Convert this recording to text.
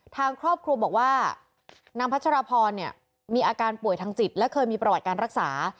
ทางครอบครัวบอกว่านางพัชรพรมีอาการป่วยทางจิตและเคยมีประวัติการรักษา